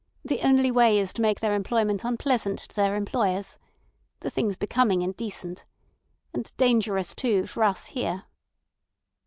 The only way is to make their employment unpleasant to their employers. The thing's becoming indecent. And dangerous too, for us, here."